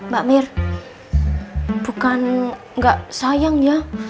mbak mir bukan nggak sayang ya